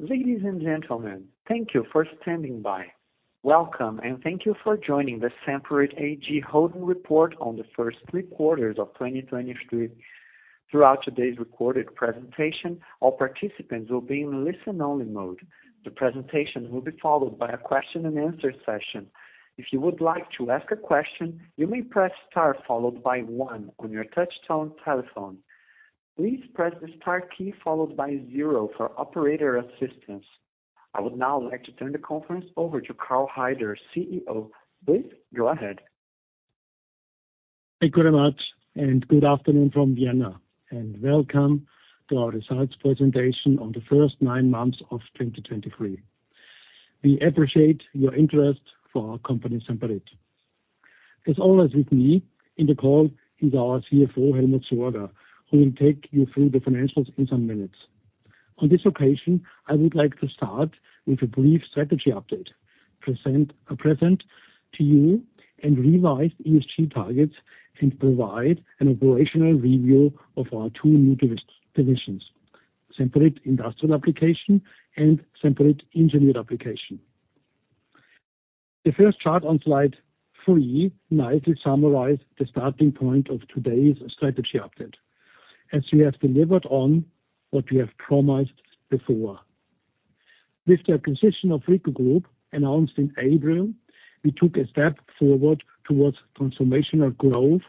Ladies and gentlemen, thank you for standing by. Welcome, and thank you for joining the Semperit AG Holding report on the first three quarters of 2023. Throughout today's recorded presentation, all participants will be in listen-only mode. The presentation will be followed by a question and answer session. If you would like to ask a question, you may press star followed by one on your touchtone telephone. Please press the star key followed by zero for operator assistance. I would now like to turn the conference over to Karl Haider, CEO. Please go ahead. Thank you very much, and good afternoon from Vienna, and welcome to our results presentation on the first nine months of 2023. We appreciate your interest for our company, Semperit. As always, with me in the call is our CFO, Helmut Sorger, who will take you through the financials in some minutes. On this occasion, I would like to start with a brief strategy update, present to you revised ESG targets, and provide an operational review of our two new divisions: Semperit Industrial Applications and Semperit Engineered Applications. The first chart on slide three nicely summarize the starting point of today's strategy update, as we have delivered on what we have promised before. With the acquisition of RICO Group, announced in April, we took a step forward towards transformational growth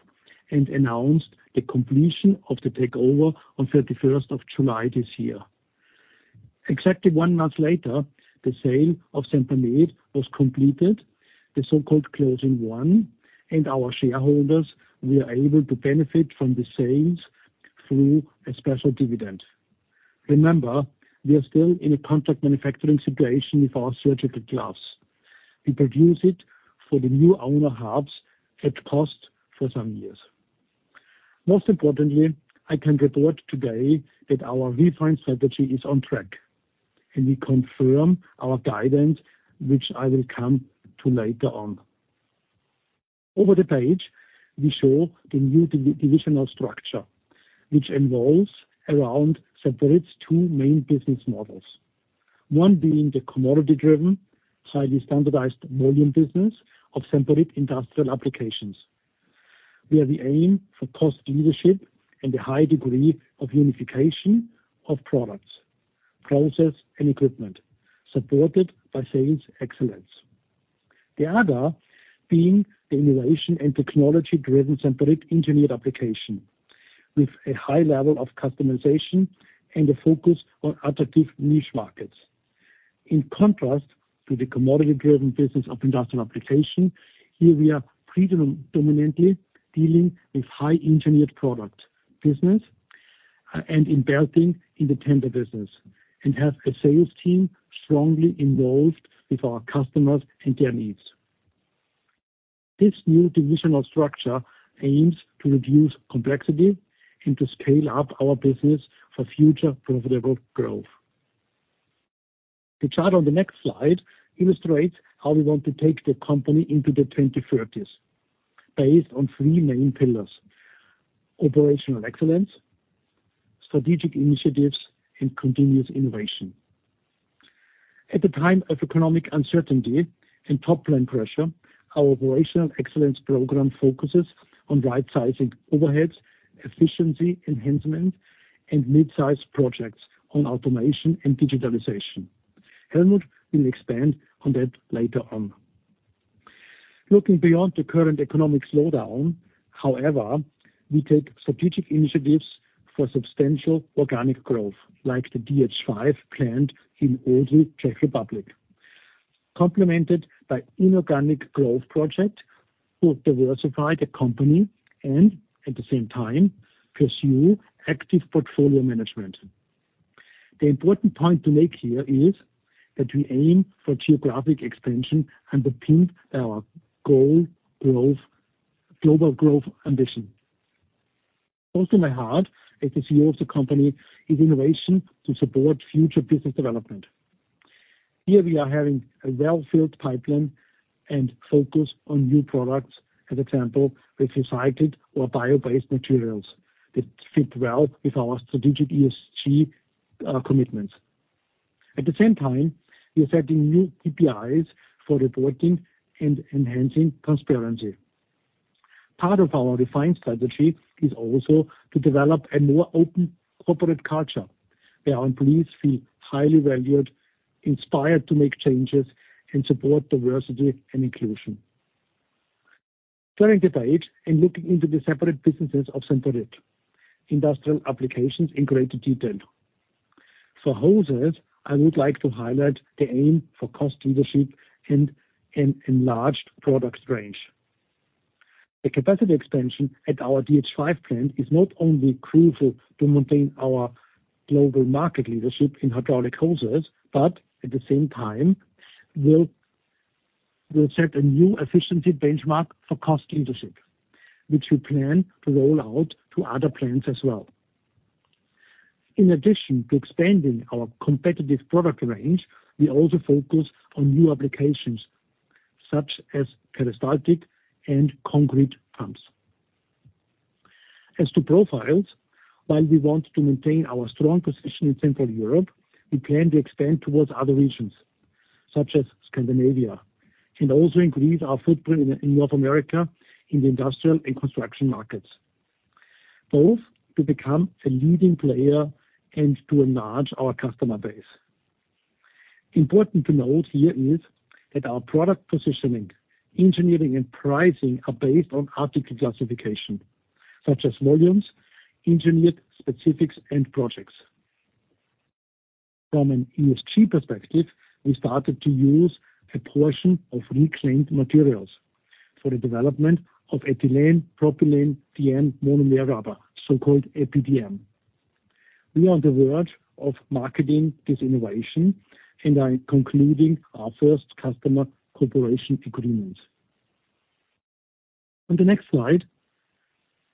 and announced the completion of the takeover on 31st of July this year. Exactly one month later, the sale of Sempermed was completed, the so-called Closing One, and our shareholders were able to benefit from the sales through a special dividend. Remember, we are still in a contract manufacturing situation with our surgical gloves. We produce it for the new owner, Harps, at cost for some years. Most importantly, I can report today that our refined strategy is on track, and we confirm our guidance, which I will come to later on. Over the page, we show the new divisional structure, which revolves around Semperit's two main business models. One being the commodity-driven, highly standardized volume business of Semperit Industrial Applications, where we aim for cost leadership and a high degree of unification of products, process, and equipment, supported by sales excellence. The other being the innovation and technology-driven Semperit Engineered Applications, with a high level of customization and a focus on attractive niche markets. In contrast to the commodity-driven business of industrial application, here we are predominantly dealing with high-engineered product business, and embedding in the tender business, and have a sales team strongly involved with our customers and their needs. This new divisional structure aims to reduce complexity and to scale up our business for future profitable growth. The chart on the next slide illustrates how we want to take the company into the 2030s, based on three main pillars: operational excellence, strategic initiatives, and continuous innovation. At the time of economic uncertainty and top-line pressure, our operational excellence program focuses on right-sizing overheads, efficiency enhancement, and mid-size projects on automation and digitalization. Helmut will expand on that later on. Looking beyond the current economic slowdown, however, we take strategic initiatives for substantial organic growth, like the DH5 plant in Odry, Czech Republic, complemented by inorganic growth project to diversify the company and, at the same time, pursue active portfolio management. The important point to make here is that we aim for geographic expansion and retain our goal growth-- global growth ambition. Close to my heart, as the CEO of the company, is innovation to support future business development. Here we are having a well-filled pipeline and focus on new products, as example, with recycled or bio-based materials that fit well with our strategic ESG commitments. At the same time, we are setting new KPIs for reporting and enhancing transparency. Part of our refined strategy is also to develop a more open corporate culture, where our employees feel highly valued, inspired to make changes, and support diversity and inclusion. Turning the page and looking into the separate businesses of Semperit. Industrial applications in greater detail. For hoses, I would like to highlight the aim for cost leadership and an enlarged products range. The capacity expansion at our DH5 plant is not only crucial to maintain our global market leadership in hydraulic hoses, but at the same time, will set a new efficiency benchmark for cost leadership, which we plan to roll out to other plants as well. In addition to expanding our competitive product range, we also focus on new applications such as peristaltic and concrete pumps. As to profiles, while we want to maintain our strong position in Central Europe, we plan to expand towards other regions, such as Scandinavia, and also increase our footprint in North America, in the industrial and construction markets, both to become the leading player and to enlarge our customer base. Important to note here is that our product positioning, engineering, and pricing are based on article classification, such as volumes, engineered specifics, and projects. From an ESG perspective, we started to use a portion of reclaimed materials for the development of ethylene propylene diene monomer rubber, so-called EPDM. We are on the verge of marketing this innovation and are concluding our first customer cooperation agreements. On the next slide,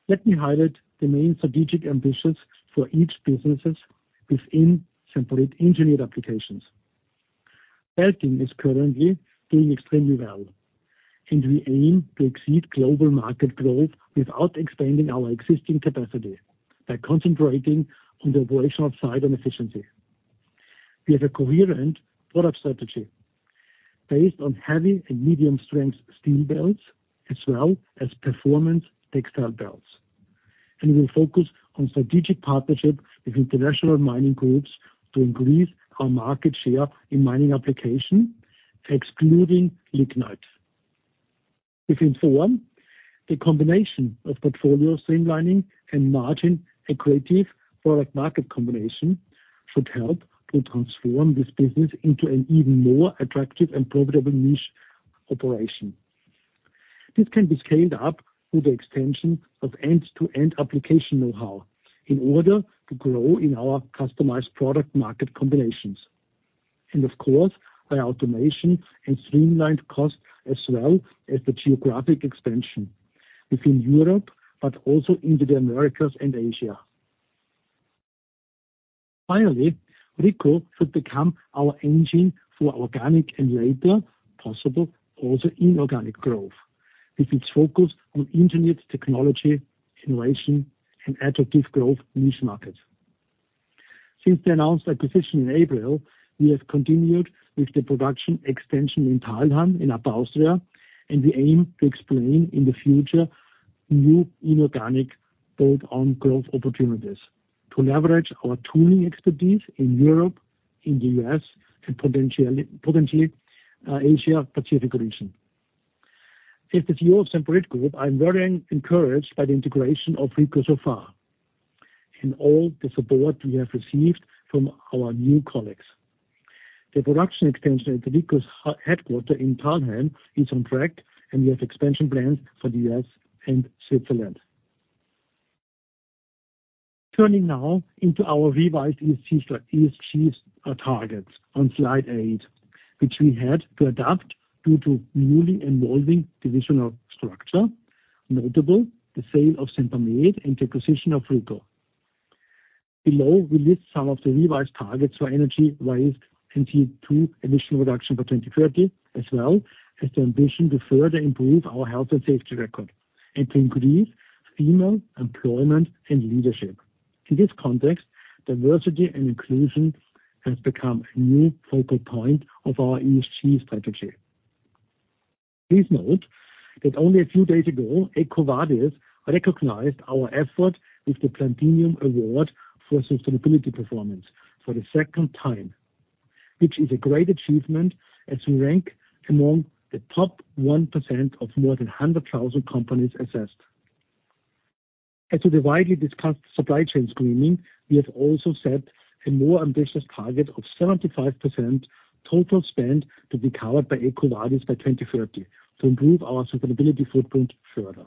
let me highlight the main strategic ambitions for each businesses within Semperit Engineered Applications. Belting is currently doing extremely well, and we aim to exceed global market growth without expanding our existing capacity, by concentrating on the operational side and efficiency. We have a coherent product strategy based on heavy and medium-strength steel belts, as well as performance textile belts. We focus on strategic partnerships with international mining groups to increase our market share in mining application, excluding lignite. Within Form, the combination of portfolio streamlining and margin accretive product market combination should help to transform this business into an even more attractive and profitable niche operation. This can be scaled up through the extension of end-to-end application know-how in order to grow in our customized product market combinations, and of course, by automation and streamlined cost, as well as the geographic expansion within Europe, but also into the Americas and Asia. Finally, RICO should become our engine for organic and later, possible, also inorganic growth, with its focus on engineered technology, innovation, and attractive growth niche markets. Since the announced acquisition in April, we have continued with the production extension in Thalheim, in Upper Austria, and we aim to explain in the future, new inorganic build on growth opportunities to leverage our tooling expertise in Europe, in the US, and potentially, Asia Pacific region. As the CEO of Semperit Group, I'm very encouraged by the integration of RICO so far, and all the support we have received from our new colleagues. The production extension at RICO's headquarters in Thalheim is on track, and we have expansion plans for the US and Switzerland. Turning now into our revised ESG, ESG, targets on slide eight, which we had to adapt due to newly evolving divisional structure, notably, the sale of Sempermed and the acquisition of Rico. Below, we list some of the revised targets for energy waste and CO2 emission reduction by 2030, as well as the ambition to further improve our health and safety record, and to increase female employment and leadership. In this context, diversity and inclusion has become a new focal point of our ESG strategy. Please note that only a few days ago, EcoVadis recognized our effort with the Platinum Award for sustainability performance for the second time, which is a great achievement as we rank among the top 1% of more than 100,000 companies assessed. As to the widely discussed supply chain screening, we have also set a more ambitious target of 75% total spend to be covered by EcoVadis by 2030, to improve our sustainability footprint further.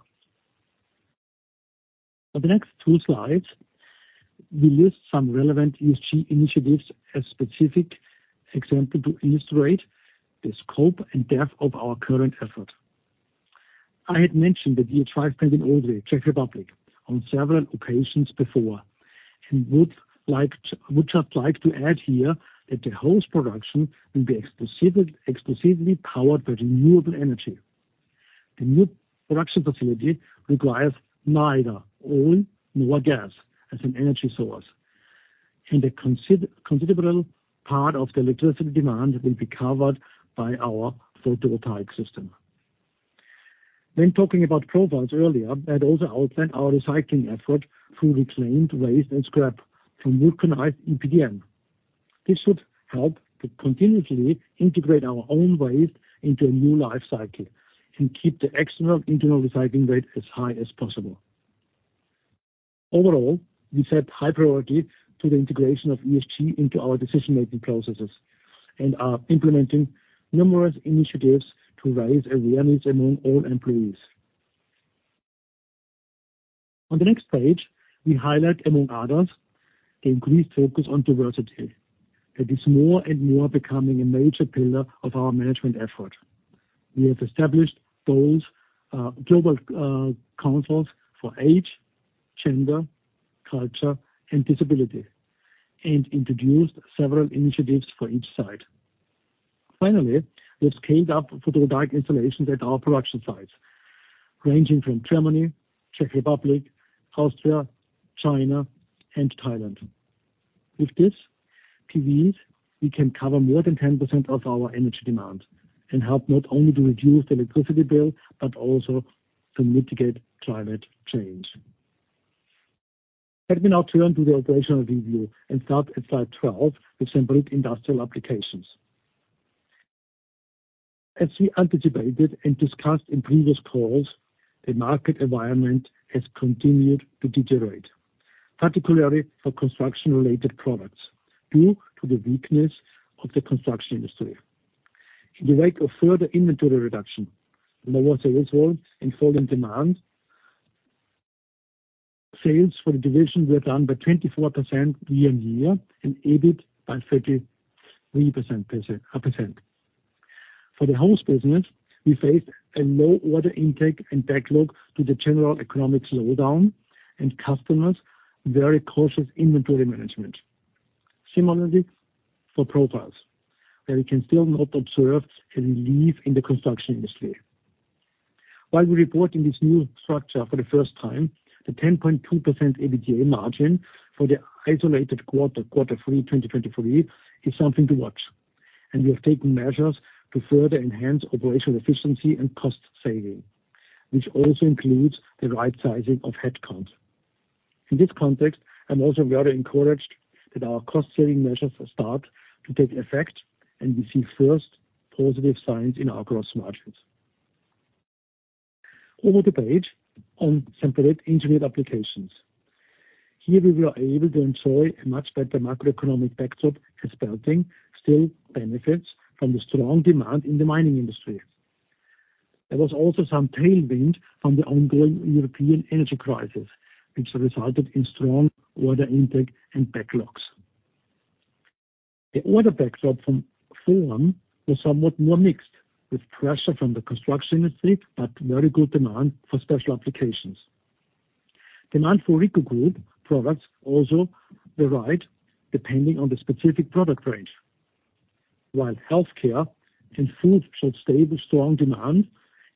On the next two slides, we list some relevant ESG initiatives, a specific example to illustrate the scope and depth of our current effort. I had mentioned the DH5 plant in Odry, Czech Republic, on several occasions before, and would just like to add here that the whole production will be exclusively powered by renewable energy. The new production facility requires neither oil nor gas as an energy source, and a considerable part of the electricity demand will be covered by our photovoltaic system. When talking about profiles earlier, I had also outlined our recycling effort through reclaimed waste and scrap from vulcanized EPDM. This should help to continuously integrate our own waste into a new life cycle and keep the external internal recycling rate as high as possible. Overall, we set high priority to the integration of ESG into our decision-making processes and are implementing numerous initiatives to raise awareness among all employees. On the next page, we highlight, among others, the increased focus on diversity, that is more and more becoming a major pillar of our management effort. We have established those global councils for age, gender, culture, and disability, and introduced several initiatives for each side. Finally, we've scaled up photovoltaic installations at our production sites, ranging from Germany, Czech Republic, Austria, China, and Thailand. With this, thus, we can cover more than 10% of our energy demand, and help not only to reduce the electricity bill, but also to mitigate climate change. Let me now turn to the operational review and start at slide 12, with Semperit Industrial Applications. As we anticipated and discussed in previous calls, the market environment has continued to deteriorate, particularly for construction-related products, due to the weakness of the construction industry. In the wake of further inventory reduction, there was a result in falling demand. Sales for the division were down by 24% year-on-year, and EBIT by 33%. For the hose business, we faced a low order intake and backlog due to the general economic slowdown, and customers very cautious inventory management. Similarly, for profiles, where we can still not observe a relief in the construction industry. While we report in this new structure for the first time, the 10.2% EBITDA margin for the isolated quarter, Q3 2023, is something to watch. We have taken measures to further enhance operational efficiency and cost saving, which also includes the right sizing of headcount. In this context, I'm also very encouraged that our cost-saving measures have start to take effect, and we see first positive signs in our gross margins. Over the page, on Semperit Engineered Applications. Here, we were able to enjoy a much better macroeconomic backdrop, as Belting still benefits from the strong demand in the mining industry. There was also some tailwind from the ongoing European energy crisis, which resulted in strong order intake and backlogs. The order backdrop from Form was somewhat more mixed, with pressure from the construction industry, but very good demand for special applications. Demand for RICO Group products also varied, depending on the specific product range. While healthcare and food showed stable, strong demand,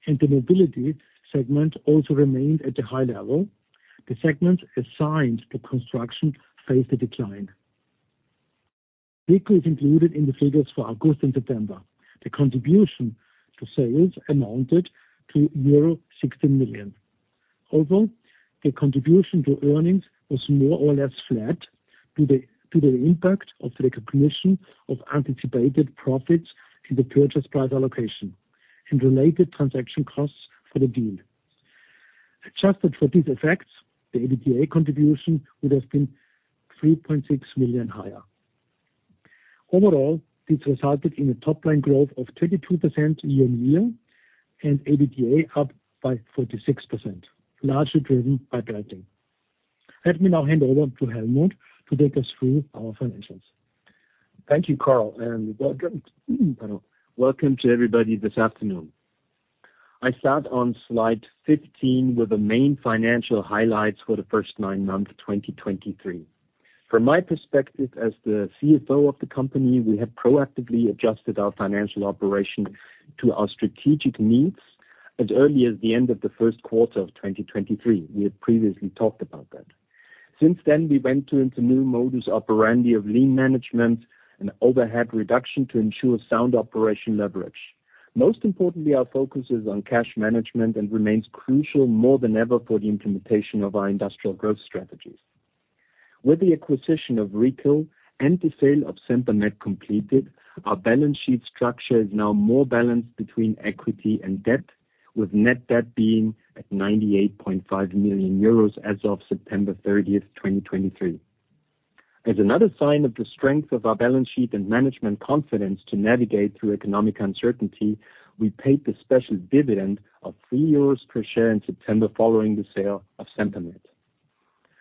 and the mobility segment also remained at a high level, the segments assigned to construction faced a decline. RICO is included in the figures for August and September. The contribution to sales amounted to euro 60 million. Although the contribution to earnings was more or less flat, due to the impact of the recognition of anticipated profits in the purchase price allocation and related transaction costs for the deal. Adjusted for these effects, the EBITDA contribution would have been 3.6 million higher. Overall, this resulted in a top-line growth of 32% year-on-year, and EBITDA up by 46%, largely driven by Belting. Let me now hand over to Helmut to take us through our financials. Thank you, Karl, and welcome, welcome to everybody this afternoon. I start on slide 15 with the main financial highlights for the first nine months of 2023. From my perspective as the CFO of the company, we have proactively adjusted our financial operation to our strategic needs as early as the end of the Q1 of 2023. We had previously talked about that. Since then, we went into a new modus operandi of lean management and overhead reduction to ensure sound operation leverage. Most importantly, our focus is on cash management and remains crucial more than ever for the implementation of our industrial growth strategies. With the acquisition of RICO and the sale of Sempermed completed, our balance sheet structure is now more balanced between equity and debt, with net debt being at 98.5 million euros as of September 30, 2023. As another sign of the strength of our balance sheet and management confidence to navigate through economic uncertainty, we paid the special dividend of 3 euros per share in September, following the sale of Sempermed.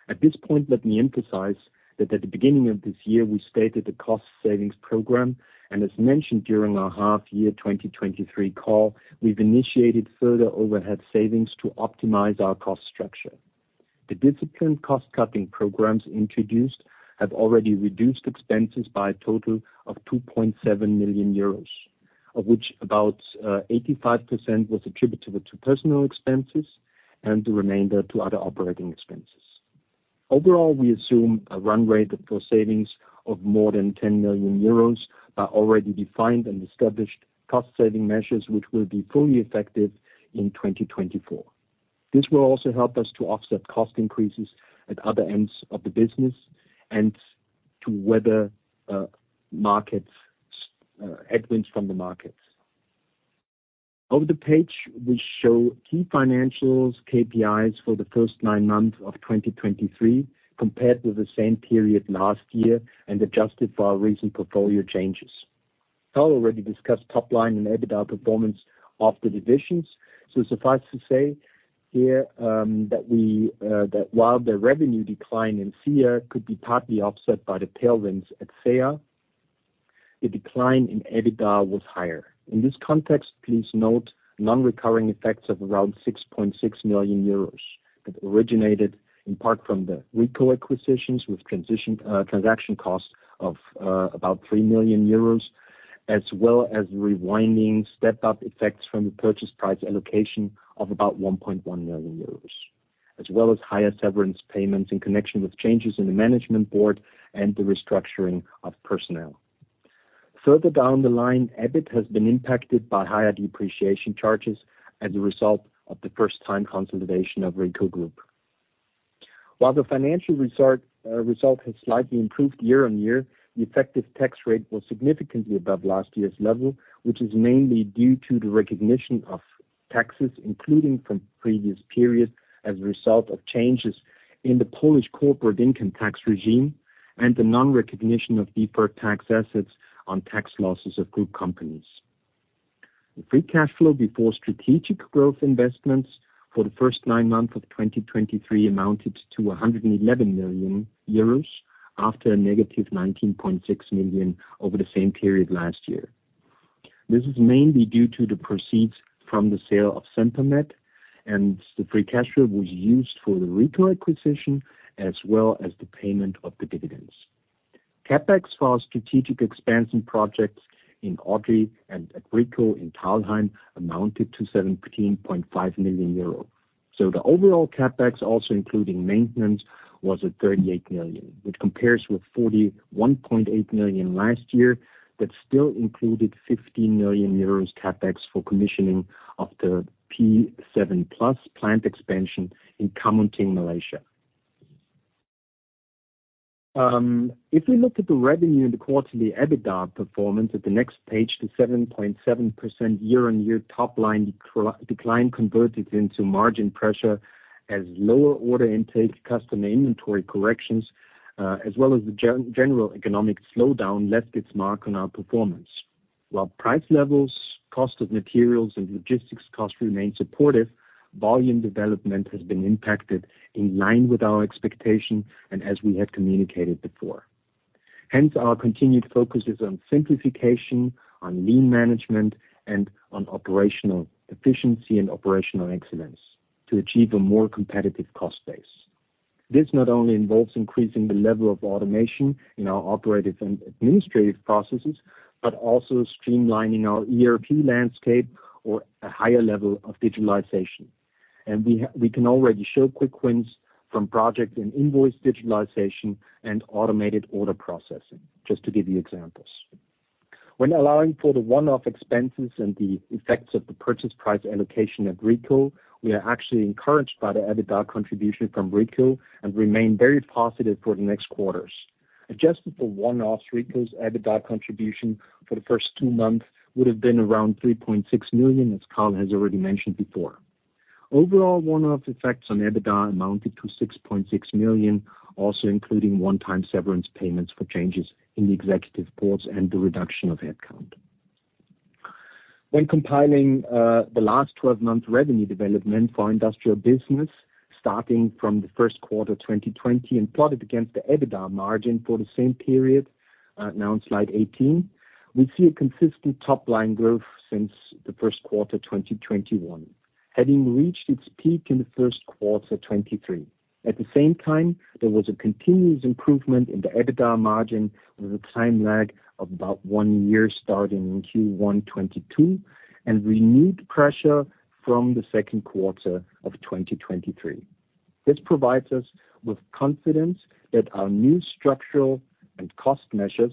At this point, let me emphasize that at the beginning of this year, we stated a cost savings program, and as mentioned during our half-year 2023 call, we've initiated further overhead savings to optimize our cost structure. The disciplined cost-cutting programs introduced have already reduced expenses by a total of 2.7 million euros, of which about 85% was attributable to personnel expenses, and the remainder to other operating expenses. Overall, we assume a run rate for savings of more than 10 million euros are already defined and established cost saving measures, which will be fully effective in 2024. This will also help us to offset cost increases at other ends of the business and to weather market headwinds from the markets. Over the page, we show key financials, KPIs for the first nine months of 2023, compared to the same period last year, and adjusted for our recent portfolio changes. Karl already discussed top line and EBITDA performance of the divisions, so suffice to say here that while the revenue decline in SIA could be partly offset by the tailwinds at SEIA, the decline in EBITDA was higher. In this context, please note non-recurring effects of around 6.6 million euros. that originated in part from the RICO acquisitions, with transition, transaction costs of about 3 million euros, as well as rewinding step-up effects from the Purchase Price Allocation of about 1.1 million euros, as well as higher severance payments in connection with changes in the management board and the restructuring of personnel. Further down the line, EBIT has been impacted by higher depreciation charges as a result of the first-time consolidation of RICO Group. While the financial result has slightly improved year-on-year, the effective tax rate was significantly above last year's level, which is mainly due to the recognition of taxes, including from previous periods, as a result of changes in the Polish corporate income tax regime and the non-recognition of deferred tax assets on tax losses of group companies. The free cash flow before strategic growth investments for the first nine months of 2023 amounted to 111 million euros, after -19.6 million over the same period last year. This is mainly due to the proceeds from the sale of Sempermed, and the free cash flow was used for the RICO acquisition, as well as the payment of the dividends. CapEx for our strategic expansion projects in Odry and at RICO in Thalheim amounted to 17.5 million euro. So the overall CapEx, also including maintenance, was at 38 million, which compares with 41.8 million last year. That still included 15 million euros CapEx for commissioning of the P7 Plus plant expansion in Kamunting, Malaysia. If we look at the revenue and the quarterly EBITDA performance at the next page, the 7.7% year-on-year top line decline converted into margin pressure as lower order intake, customer inventory corrections, as well as the general economic slowdown left its mark on our performance. While price levels, cost of materials, and logistics costs remain supportive, volume development has been impacted in line with our expectations and as we have communicated before. Hence, our continued focus is on simplification, on lean management, and on operational efficiency and operational excellence to achieve a more competitive cost base. This not only involves increasing the level of automation in our operative and administrative processes, but also streamlining our ERP landscape or a higher level of digitalization. We have we can already show quick wins from projects in invoice digitalization and automated order processing, just to give you examples. When allowing for the one-off expenses and the effects of the Purchase Price Allocation at RICO, we are actually encouraged by the EBITDA contribution from RICO and remain very positive for the next quarters. Adjusted for one-off, RICO's EBITDA contribution for the first two months would have been around 3.6 million, as Karl has already mentioned before. Overall, one-off effects on EBITDA amounted to 6.6 million, also including one-time severance payments for changes in the executive boards and the reduction of headcount. When compiling the last 12-month revenue development for industrial business, starting from the Q1 2020 and plotted against the EBITDA margin for the same period, now in slide 18, we see a consistent top-line growth since the Q1 2021, having reached its peak in the Q1 2023. At the same time, there was a continuous improvement in the EBITDA margin, with a time lag of about one year starting in Q1 2022 and renewed pressure from the Q2 of 2023. This provides us with confidence that our new structural and cost measures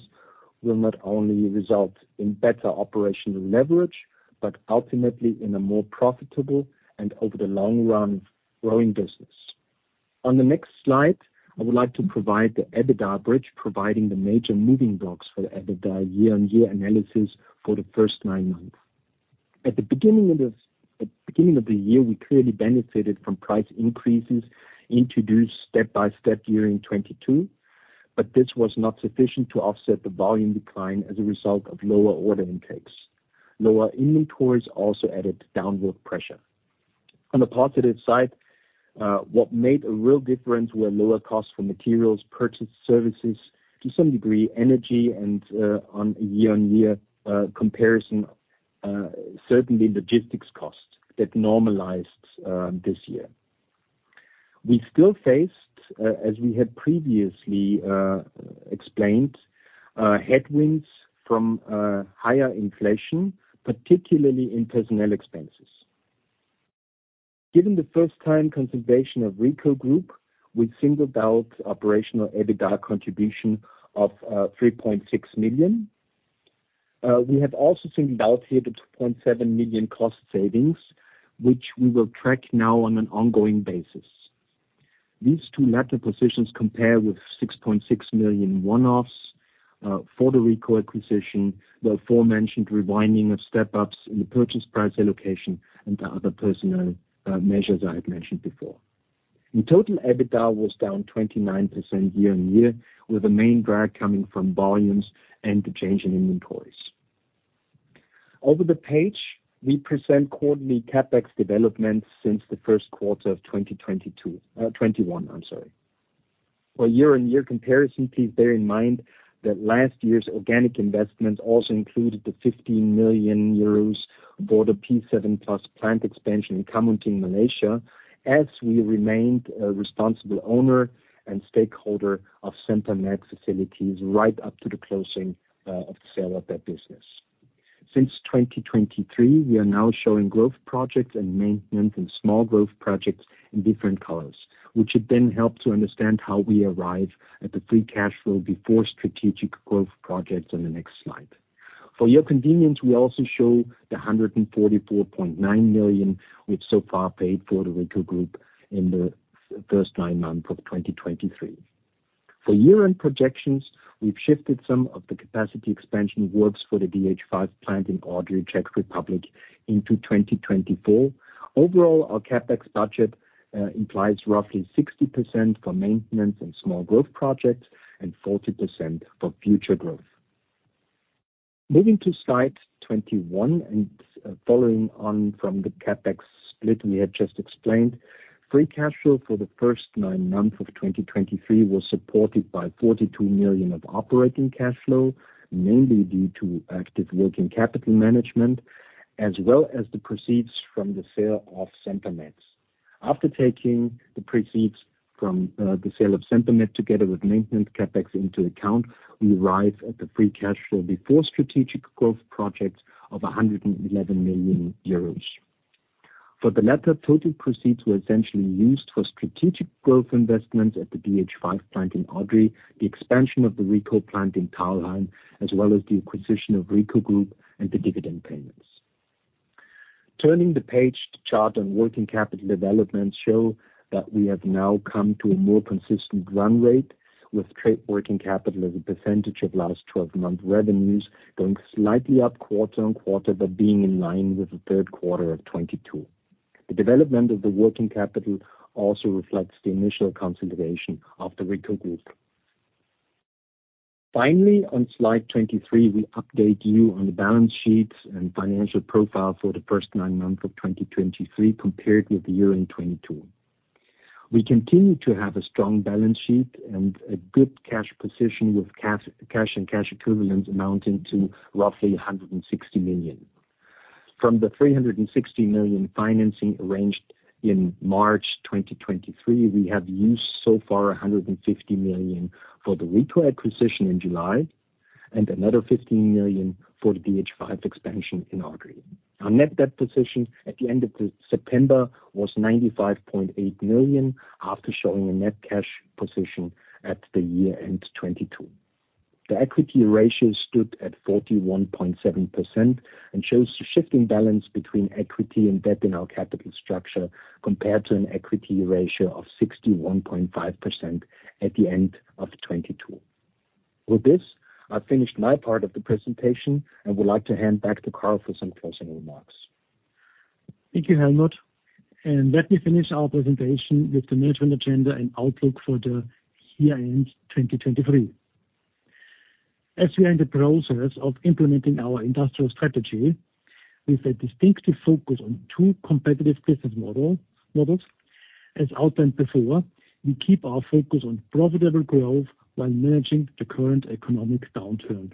will not only result in better operational leverage, but ultimately in a more profitable and, over the long run, growing business. On the next slide, I would like to provide the EBITDA bridge, providing the major moving blocks for the EBITDA year-on-year analysis for the first nine months. At the beginning of the year, we clearly benefited from price increases introduced step-by-step during 2022, but this was not sufficient to offset the volume decline as a result of lower order intakes. Lower inventories also added downward pressure. On the positive side, what made a real difference were lower costs for materials, purchased services, to some degree, energy and, on a year-on-year comparison, certainly logistics costs that normalized this year. We still faced, as we had previously explained, headwinds from higher inflation, particularly in personnel expenses. Given the first-time consolidation of RICO Group, we single out operational EBITDA contribution of 3.6 million. We have also singled out here the 2.7 million cost savings, which we will track now on an ongoing basis. These two latter positions compare with 6.6 million one-offs for the RICO acquisition, the aforementioned rewinding of step-ups in the purchase price allocation and the other personnel measures I had mentioned before. In total, EBITDA was down 29% year-on-year, with the main drag coming from volumes and the change in inventories. Over the page, we present quarterly CapEx developments since the Q1 of 2022, 2021, I'm sorry. For year-on-year comparison, please bear in mind that last year's organic investments also included the 15 million euros for the P7 Plus plant expansion in Kamunting, Malaysia, as we remained a responsible owner and stakeholder of Sempermed facilities right up to the closing of the sale of that business. Since 2023, we are now showing growth projects and maintenance and small growth projects in different colors, which should then help to understand how we arrive at the free cash flow before strategic growth projects on the next slide. For your convenience, we also show the 144.9 million, which so far paid for the RICO Group in the first nine months of 2023. For year-end projections, we've shifted some of the capacity expansion works for the DH5 Plant in Odry, Czech Republic, into 2024. Overall, our CapEx budget implies roughly 60% for maintenance and small growth projects and 40% for future growth. Moving to slide 21, and following on from the CapEx split we have just explained, free cash flow for the first nine months of 2023 was supported by 42 million of operating cash flow, mainly due to active working capital management, as well as the proceeds from the sale of Sempermed. After taking the proceeds from the sale of Sempermed, together with maintenance CapEx into account, we arrive at the free cash flow before strategic growth projects of 111 million euros. For the latter, total proceeds were essentially used for strategic growth investments at the DH5 Plant in Odry, the expansion of the RICO plant in Thalheim, as well as the acquisition of RICO Group and the dividend payments. Turning the page to chart on working capital developments show that we have now come to a more consistent run rate, with trade working capital as a percentage of last 12-month revenues going slightly up quarter-on-quarter, but being in line with the Q3 of 2022. The development of the working capital also reflects the initial consolidation of the RICO Group. Finally, on slide 23, we update you on the balance sheets and financial profile for the first nine months of 2023 compared with the year-end 2022. We continue to have a strong balance sheet and a good cash position, with cash and cash equivalents amounting to roughly 160 million. From the 360 million financing arranged in March 2023, we have used so far 150 million for the RICO acquisition in July, and another 15 million for the DH5 expansion in Odry. Our net debt position at the end of September was 95.8 million, after showing a net cash position at the year-end 2022. The equity ratio stood at 41.7% and shows a shift in balance between equity and debt in our capital structure, compared to an equity ratio of 61.5% at the end of 2022. With this, I've finished my part of the presentation and would like to hand back to Karl for some closing remarks. Thank you, Helmut, and let me finish our presentation with the management agenda and outlook for the year-end 2023. As we are in the process of implementing our industrial strategy with a distinctive focus on two competitive business models, as outlined before, we keep our focus on profitable growth while managing the current economic downturn.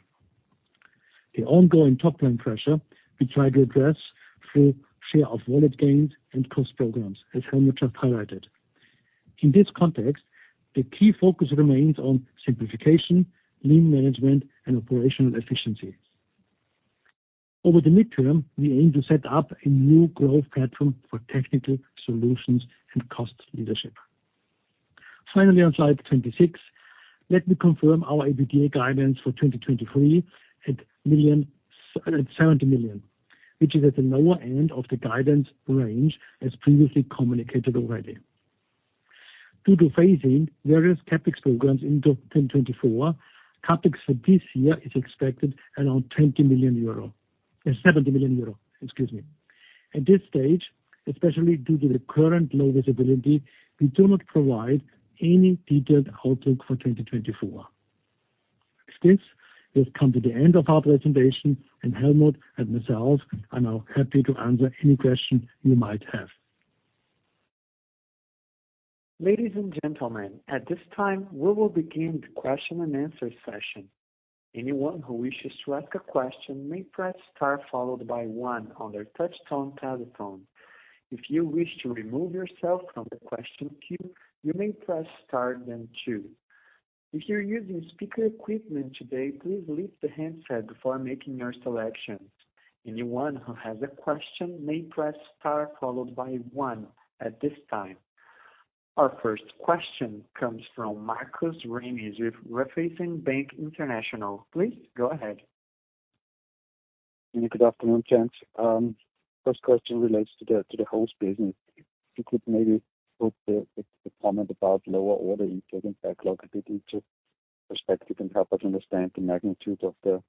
The ongoing top-line pressure, we try to address through share of wallet gains and cost programs, as Helmut just highlighted. In this context, the key focus remains on simplification, lean management, and operational efficiency. Over the midterm, we aim to set up a new growth platform for technical solutions and cost leadership. Finally, on slide 26, let me confirm our EBITDA guidance for 2023 at 70 million, which is at the lower end of the guidance range, as previously communicated already. Due to phasing various CapEx programs into 2024, CapEx for this year is expected around 20 million euro, 70 million euro, excuse me. At this stage, especially due to the current low visibility, we do not provide any detailed outlook for 2024. With this, we've come to the end of our presentation, and Helmut and myself are now happy to answer any questions you might have. Ladies and gentlemen, at this time, we will begin the question-and-answer session. Anyone who wishes to ask a question may press star, followed by one on their touchtone telephone. If you wish to remove yourself from the question queue, you may press star, then two. If you're using speaker equipment today, please lift the handset before making your selections. Anyone who has a question may press star, followed by one at this time. Our first question comes from Markus Remis with Raiffeisen Bank International. Please go ahead. Good afternoon, gents. First question relates to the hose business. If you could maybe put the comment about lower order intake and backlog a bit into perspective and help us understand the magnitude of the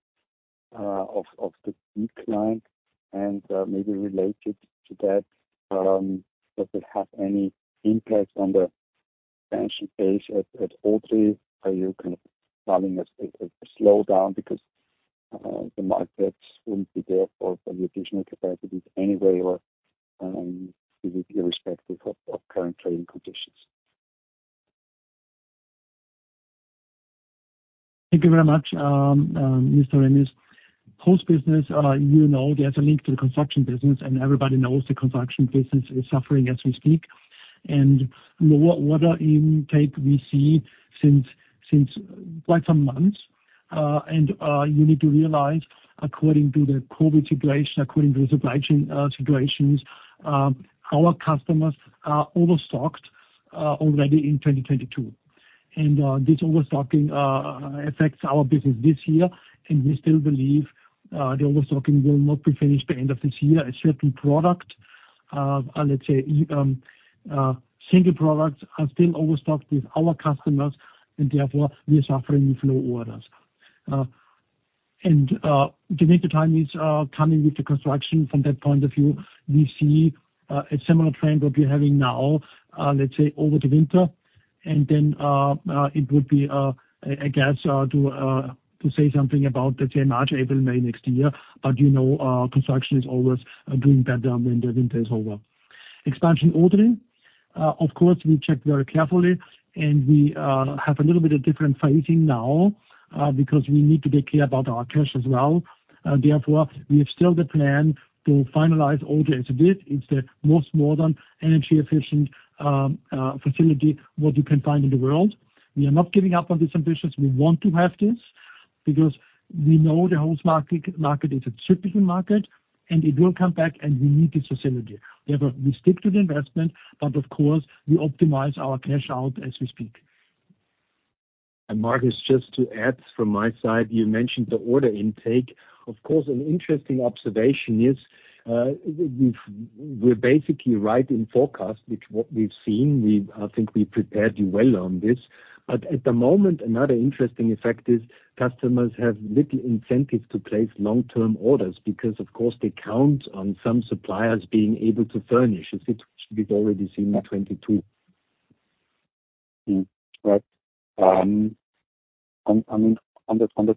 decline. And maybe related to that, does it have any impact on the expansion phase at all? Are you kind of telling us it's a slowdown because the markets wouldn't be there for the additional capacities anyway, or it is irrespective of current trading conditions. Thank you very much, Mr. Remis. Post business, you know, there's a link to the construction business, and everybody knows the construction business is suffering as we speak. And what intake we see since quite some months? And you need to realize, according to the COVID situation, according to the supply chain situations, our customers are overstocked already in 2022. And this overstocking affects our business this year, and we still believe the overstocking will not be finished by end of this year. A certain product, let's say, single products are still overstocked with our customers, and therefore we are suffering with low orders. And delivery time is coming with the construction from that point of view, we see a similar trend what we're having now, let's say, over the winter. And then it would be a guess to say something about, let's say, March, April, May next year. But you know, construction is always doing better when the winter is over. Expansion ordering, of course, we check very carefully, and we have a little bit of different phasing now because we need to be clear about our cash as well. Therefore, we have still the plan to finalize order. It's a bit, it's the most modern, energy efficient facility what you can find in the world. We are not giving up on these ambitions. We want to have this because we know the whole market, market is a typical market, and it will come back, and we need this facility. Therefore, we stick to the investment, but of course, we optimize our cash out as we speak. Marcus, just to add from my side, you mentioned the order intake. Of course, an interesting observation is, we're basically right in forecast, which, what we've seen. I think we prepared you well on this. But at the moment, another interesting effect is customers have little incentive to place long-term orders because, of course, they count on some suppliers being able to furnish, as we've already seen in 2022. Right. On the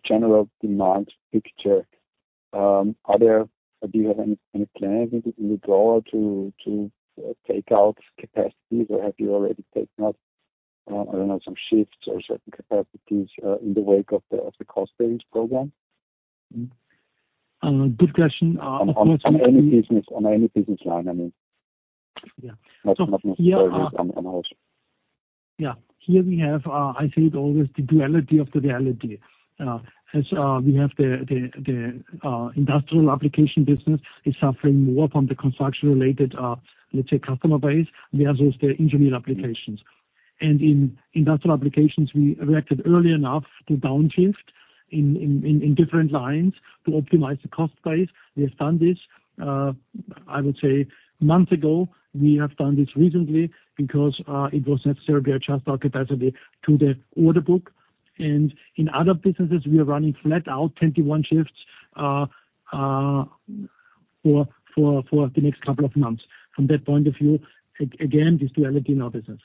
general demand picture, are there, do you have any plans in the drawer to take out capacities, or have you already taken out, I don't know, some shifts or certain capacities, in the wake of the cost savings program? Good question. On any business, on any business line, I mean. Yeah. Not necessarily on hose. Yeah. Here we have, I think always the duality of the reality. As we have the industrial applications business is suffering more from the construction-related, let's say, customer base. We have also the engineered applications. And in industrial applications, we reacted early enough to downshift in different lines to optimize the cost base. We have done this, I would say, months ago. We have done this recently because it was necessary to adjust our capacity to the order book. And in other businesses, we are running flat out 21 shifts for the next couple of months. From that point of view, again, this duality in our business.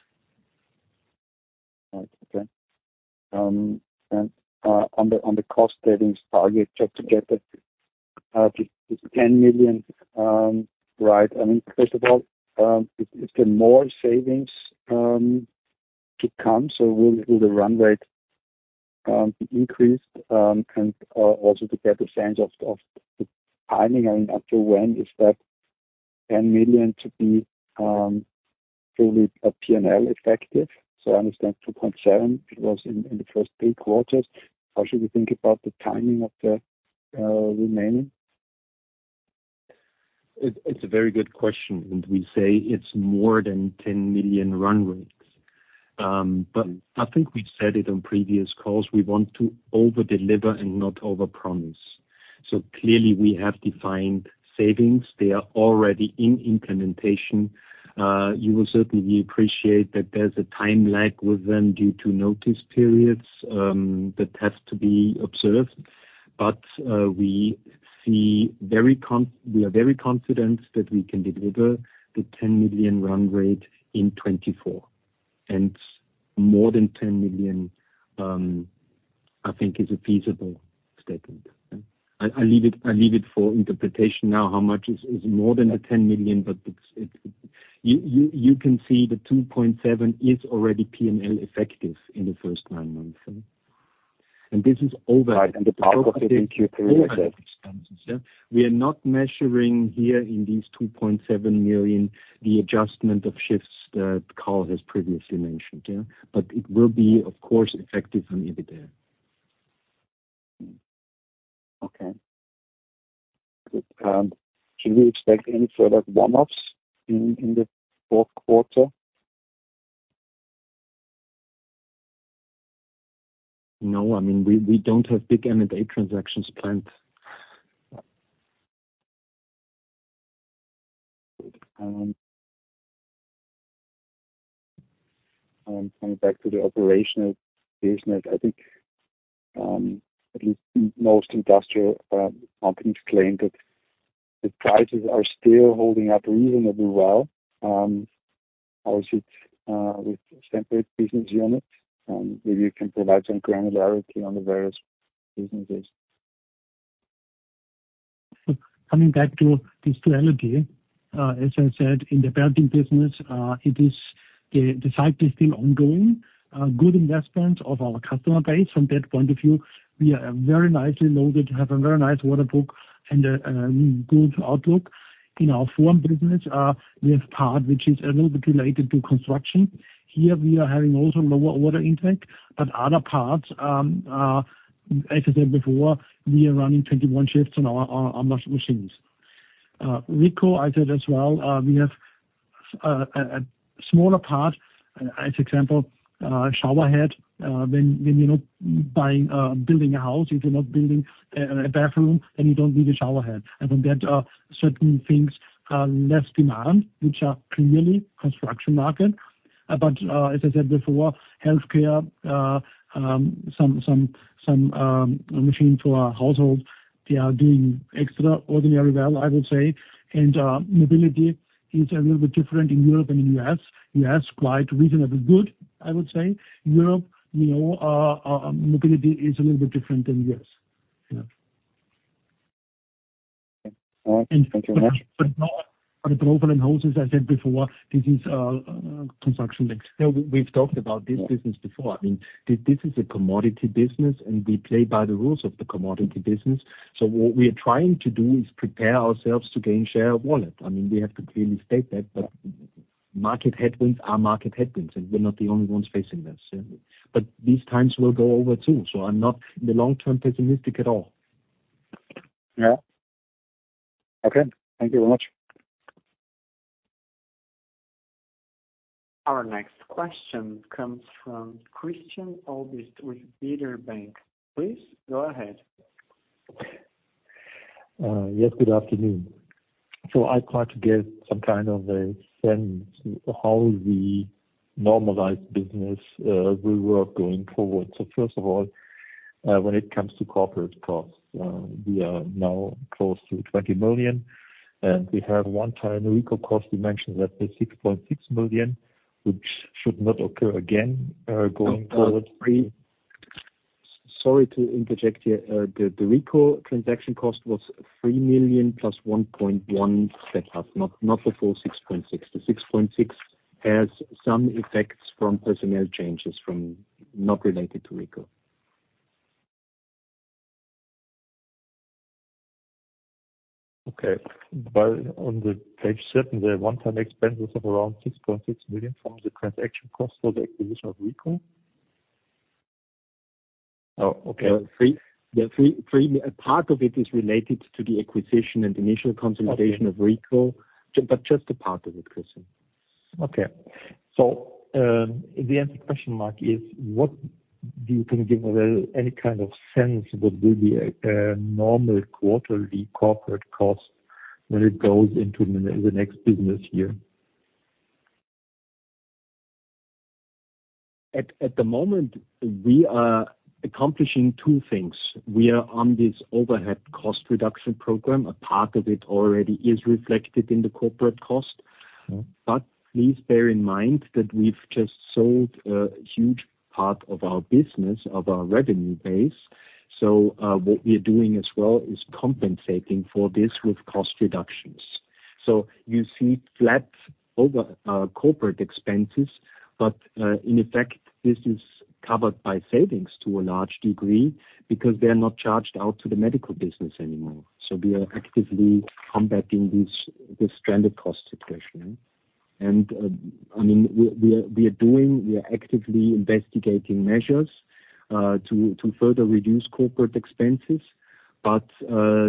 Right. Okay. And on the cost savings target, just to get that, it's 10 million, right? I mean, first of all, is there more savings to come, so will the run rate be increased? And also to get a sense of the timing, I mean, up to when is that 10 million to be fully P&L effective? So I understand 2.7 million, it was in the first three quarters. How should we think about the timing of the remaining? It's a very good question, and we say it's more than 10 million run rates. But I think we've said it on previous calls. We want to overdeliver and not overpromise. So clearly, we have defined savings. They are already in implementation. You will certainly appreciate that there's a time lag with them due to notice periods that have to be observed. But we see very con-- we are very confident that we can deliver the 10 million run rate in 2024, and more than 10 million, I think is a feasible statement. I, I leave it, I leave it for interpretation now, how much is, is more than a 10 million, but it's, it. You, you, you can see the 2.7 is already P&L effective in the first nine months. And this is over. Right, and the bulk of it in Q3. We are not measuring here in these 2.7 million, the adjustment of shifts that Karl has previously mentioned, yeah. But it will be, of course, effective on EBITDA. Okay. Can we expect any further warm-ups in the Q4? No, I mean, we don't have big M&A transactions planned. Coming back to the operational business, I think at least most industrial companies claim that the prices are still holding up reasonably well. How is it with Semperit business units? Maybe you can provide some granularity on the various businesses. Coming back to this trilogy, as I said, in the building business, it is the cycle is still ongoing. Good investment of our customer base. From that point of view, we are very nicely loaded, have a very nice order book and a good outlook. In our form business, we have part which is a little bit related to construction. Here, we are having also lower order intake, but other parts, as I said before, we are running 21 shifts on our machines. RICO, I said as well, we have a smaller part, as example, shower head. When you're not buying, building a house, if you're not building a bathroom, then you don't need a shower head. And then there are certain things, less demand, which are primarily construction market. But as I said before, healthcare, machine to our household, they are doing extraordinarily well, I would say. Mobility is a little bit different in Europe and in U.S. U.S., quite reasonably good, I would say. Europe, you know, mobility is a little bit different than U.S. Yeah. All right. Thank you very much. But global and hoses, I said before, this is construction mix. We've talked about this business before. I mean, this is a commodity business, and we play by the rules of the commodity business. So what we are trying to do is prepare ourselves to gain share of wallet. I mean, we have to clearly state that, but market headwinds are market headwinds, and we're not the only ones facing this. But these times will go over, too, so I'm not in the long term pessimistic at all. Yeah. Okay, thank you very much. Our next question comes from Christian Obst with Baader Bank. Please go ahead. Yes, good afternoon. So I try to get some kind of a sense how the normalized business will work going forward. So first of all, when it comes to corporate costs, we are now close to 20 million, and we have one-time RICO cost. You mentioned that the 6.6 million, which should not occur again, going forward. Sorry to interject you. The RICO transaction cost was 3 million plus 1.1 million set up, not the full 6.6 million. The 6.6 million has some effects from personnel changes from not related to RICO. Okay. But on the page seven, the one-time expenses of around 6.6 million from the transaction cost for the acquisition of RICO. Oh, okay. The three, a part of it is related to the acquisition and initial consolidation of RICO, but just a part of it, Christian. Okay. So, the question is, what do you think give away any kind of sense what will be a normal quarterly corporate cost when it goes into the next business year? At the moment, we are accomplishing two things. We are on this overhead cost reduction program. A part of it already is reflected in the corporate cost. Mm-hmm. But please bear in mind that we've just sold a huge part of our business, of our revenue base. So, what we are doing as well, is compensating for this with cost reductions. So you see flat over, corporate expenses, but, in effect, this is covered by savings to a large degree because they are not charged out to the medical business anymore. So we are actively combating this, this stranded cost situation. And, I mean, we are actively investigating measures, to further reduce corporate expenses, but,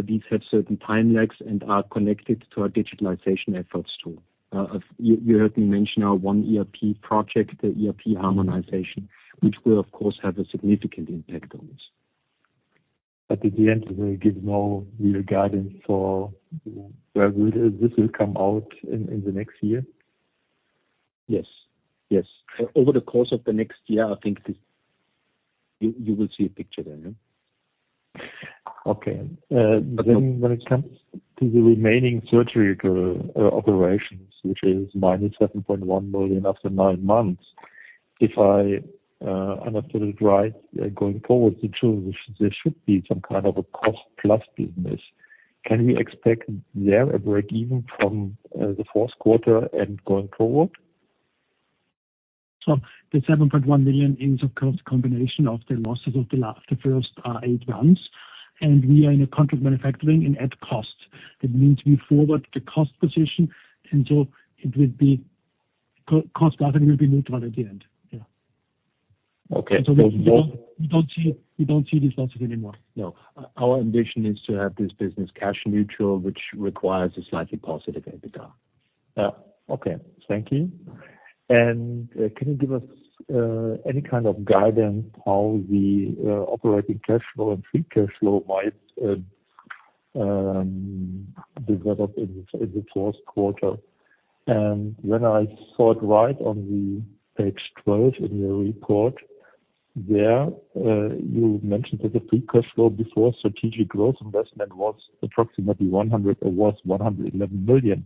these have certain time lags and are connected to our digitalization efforts, too. You heard me mention our OneERP project, the ERP harmonization, which will, of course, have a significant impact on this. But at the end, will give more real guidance for where this will come out in the next year? Yes, yes. Over the course of the next year, I think this, you, you will see a picture then, yeah. Okay. But then when it comes to the remaining surgical operations, which is -7.1 million after nine months, if I understood it right, going forward, the two, there should be some kind of a cost plus business. Can we expect there a break even from the Q4 and going forward? So the 7.1 million is, of course, combination of the losses of the last, the first eight months, and we are in a contract manufacturing and at costs. That means we forward the cost position, and so it would be cost-driven, will be neutral at the end. Yeah. Okay. You don't see this loss anymore. No. Our ambition is to have this business cash neutral, which requires a slightly positive EBITDA. Yeah. Okay, thank you. And, can you give us any kind of guidance how the operating cash flow and free cash flow might develop in the Q4?..here, you mentioned that the free cash flow before strategic growth investment was approximately 100 million, or was 111 million.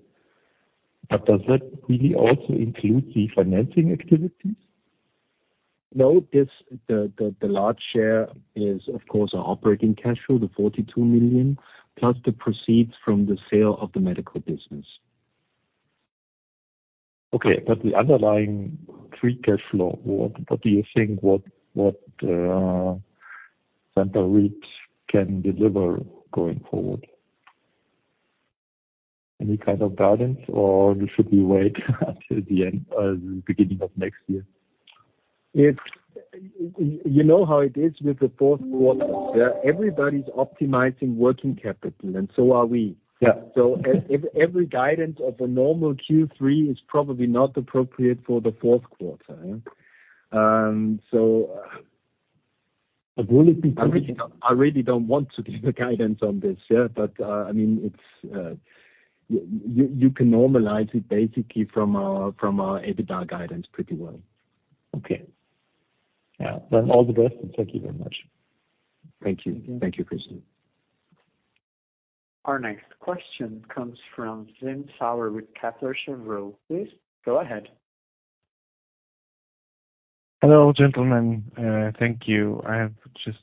But does that really also include the financing activities? No, this, the large share is of course, our operating cash flow, the 42 million, plus the proceeds from the sale of the medical business. Okay, but the underlying free cash flow, what do you think Semperit can deliver going forward? Any kind of guidance, or should we wait until the end, beginning of next year? You know how it is with the Q4, yeah. Everybody's optimizing working capital, and so are we. Yeah. So every guidance of a normal Q3 is probably not appropriate for the Q4, yeah. But will it be- I really, I really don't want to give a guidance on this, yeah, but, I mean, it's, you can normalize it basically from our, from our EBITDA guidance pretty well. Okay. Yeah. Well, all the best, and thank you very much. Thank you. Thank you, Christian. Our next question comes from Zürcher Kantonalbank. Please go ahead. Hello, gentlemen, thank you. I have just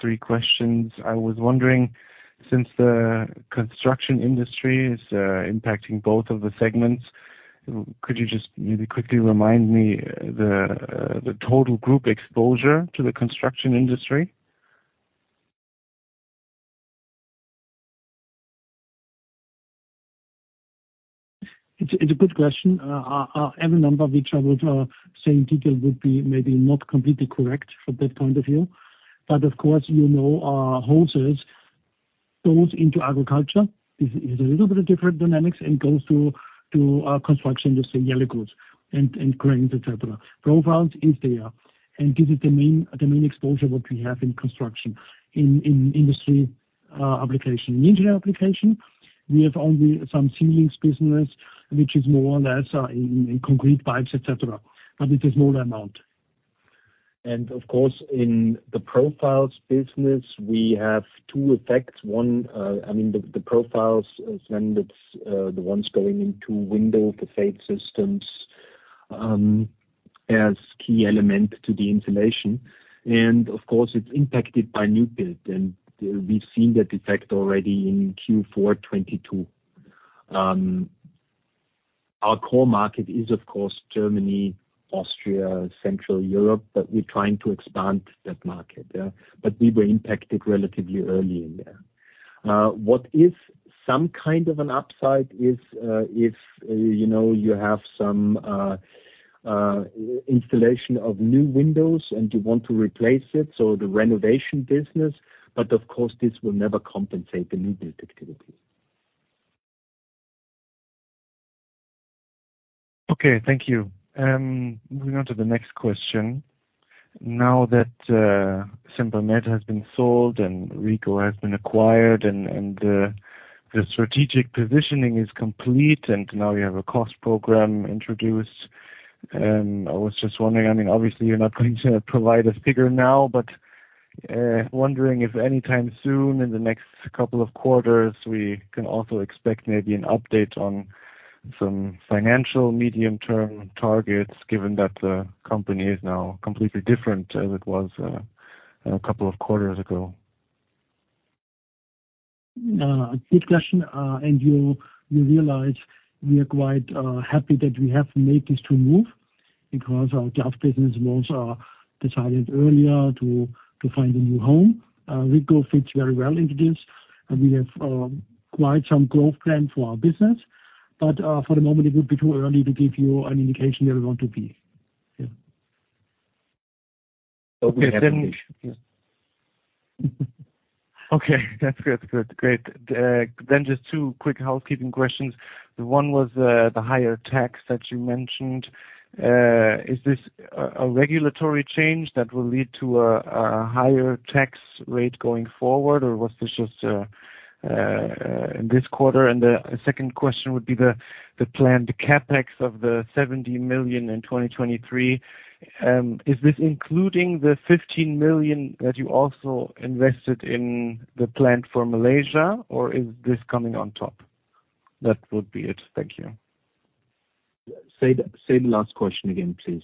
three questions. I was wondering, since the construction industry is impacting both of the segments, could you just maybe quickly remind me the total group exposure to the construction industry? It's a, it's a good question. I have a number which I would say in detail would be maybe not completely correct from that point of view. But of course, you know, our hoses goes into agriculture, is a little bit of different dynamics and goes to construction, the, say, yellow goods and cranes, et cetera. Profiles is there, and this is the main, the main exposure what we have in construction, in industry application. In engineering application, we have only some sealing business, which is more or less in concrete pipes, et cetera, but it is small amount. Of course, in the profiles business, we have two effects. One, I mean the profiles, as when it's the ones going into window, the frame systems, as key element to the insulation. Of course, it's impacted by new build, and we've seen that effect already in Q4 2022. Our core market is of course, Germany, Austria, Central Europe, but we're trying to expand that market, yeah. But we were impacted relatively early in there. What if some kind of an upside is, if, you know, you have some installation of new windows and you want to replace it, so the renovation business, but of course, this will never compensate the new build activity. Okay, thank you. Moving on to the next question. Now that Sempermed has been sold and RICO has been acquired and the strategic positioning is complete, and now you have a cost program introduced. I was just wondering, I mean, obviously you're not going to provide a figure now, but wondering if anytime soon, in the next couple of quarters, we can also expect maybe an update on some financial medium-term targets, given that the company is now completely different as it was a couple of quarters ago. Good question. You realize we are quite happy that we have made these two moves, because our glove business was decided earlier to find a new home. RICO fits very well into this, and we have quite some growth plan for our business. But for the moment, it would be too early to give you an indication where we want to be. Yeah. Okay, then- Okay. Okay, that's good. Good. Great. Then just two quick housekeeping questions. One was the higher tax that you mentioned. Is this a regulatory change that will lead to a higher tax rate going forward, or was this just in this quarter? And the second question would be the planned CapEx of 70 million in 2023. Is this including the 15 million that you also invested in the plant for Malaysia, or is this coming on top? That would be it. Thank you. Say the last question again, please.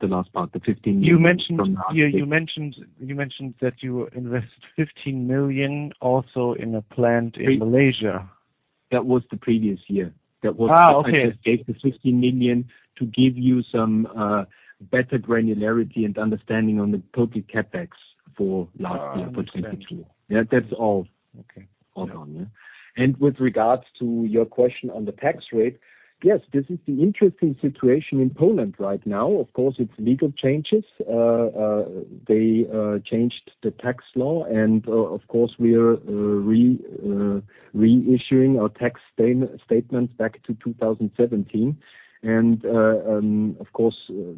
The last part, the 15 million- You mentioned- From the- Yeah, you mentioned, you mentioned that you invested 15 million also in a plant in Malaysia. That was the previous year. Ah, okay. That was. I just gave the 15 million to give you some better granularity and understanding on the total CapEx for last year, for 2022. Ah, I understand. Yeah, that's all. Okay. Hold on, yeah. And with regards to your question on the tax rate, yes, this is the interesting situation in Poland right now. Of course, it's legal changes. They changed the tax law, and of course, we are reissuing our tax statement back to 2017. And, of course,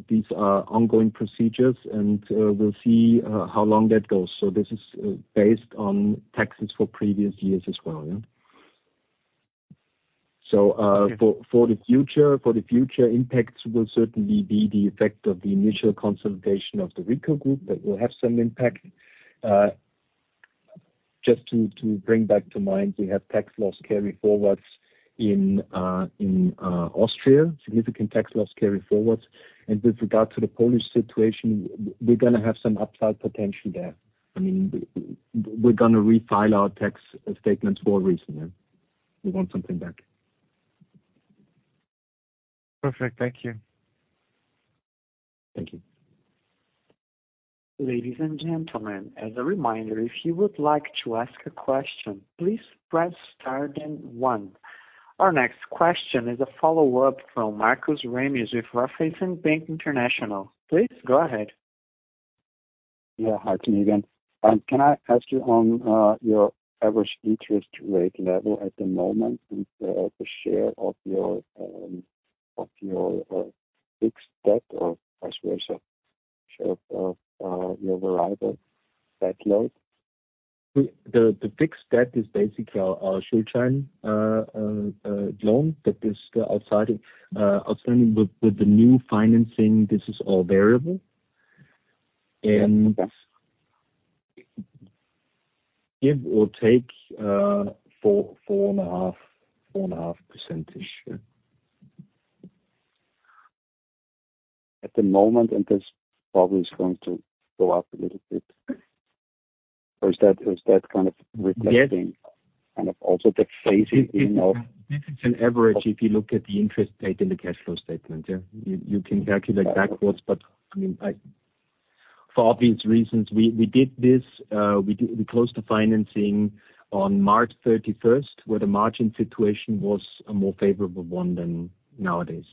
these are ongoing procedures, and we'll see how long that goes. So this is based on taxes for previous years as well, yeah? So, for the future, impacts will certainly be the effect of the initial consolidation of the RICO Group. That will have some impact. Just to bring back to mind, we have tax loss carry forwards in Austria, significant tax loss carry forwards. With regard to the Polish situation, we're gonna have some upside potential there. I mean, we're gonna refile our tax statements for a reason, yeah. We want something back. Perfect. Thank you. Thank you. Ladies and gentlemen, as a reminder, if you would like to ask a question, please press star then one. Our next question is a follow-up from Markus Remis with Raiffeisen Bank International. Please go ahead. Yeah. Hi, can you hear? Can I ask you on your average interest rate level at the moment, and the share of your fixed debt or vice versa, share of your variable debt load? The fixed debt is basically our supply chain loan that is outside of the outstanding with the new financing. This is all variable. And give or take 4-4.5%, yeah. At the moment, and this probably is going to go up a little bit. Or is that, is that kind of reflecting- Yes. Kind of also the phasing in of- This is an average, if you look at the interest date in the cash flow statement, yeah. You can calculate backwards, but, I mean, for obvious reasons, we did this, we closed the financing on March 31st, where the margin situation was a more favorable one than nowadays.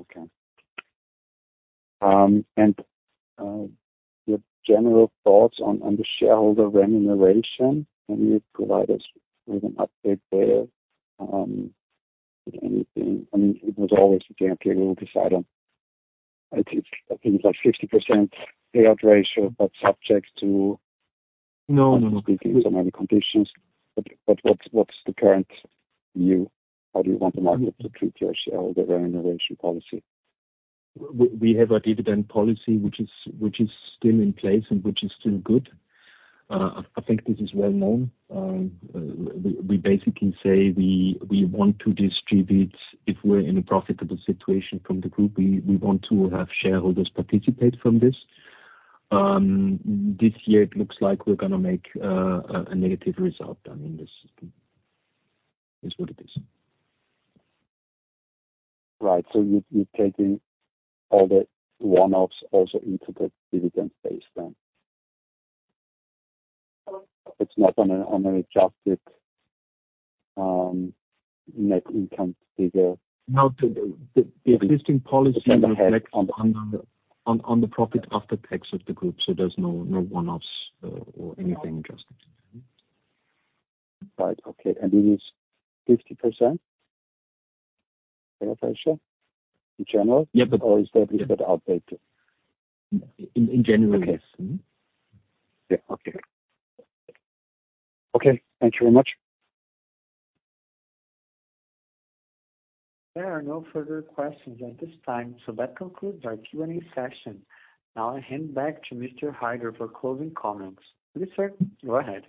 Okay. And your general thoughts on the shareholder remuneration, can you provide us with an update there, anything? I mean, it was always, okay, we will decide on, I think it's like 60% payout ratio, but subject to- No, no, no. Some other conditions, but what's the current view? How do you want the market to treat your shareholder remuneration policy? We have a dividend policy, which is still in place and which is still good. I think this is well known. We basically say we want to distribute, if we're in a profitable situation from the group, we want to have shareholders participate from this. This year it looks like we're gonna make a negative result. I mean, this is what it is. Right. So you, you're taking all the one-offs also into the dividend base then? It's not on a, on an adjusted, net income figure. No, the existing policy reflects on the profit after tax of the group, so there's no one-offs, or anything adjusted. Right. Okay. And it is 50% payout ratio in general? Yeah. Or is that a little bit outdated? In general, yes. Mm-hmm. Yeah. Okay. Okay, thank you very much. There are no further questions at this time, so that concludes our Q&A session. Now I hand back to Mr. Haider for closing comments. Please, sir, go ahead.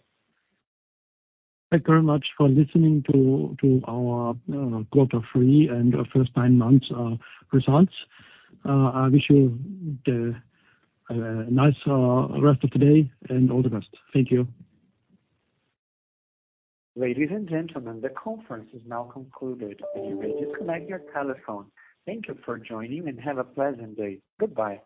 Thank you very much for listening to our Q3 and our first nine months results. I wish you the nice rest of the day and all the best. Thank you. Ladies and gentlemen, the conference is now concluded. You may disconnect your telephone. Thank you for joining, and have a pleasant day. Goodbye.